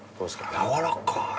やわらかい！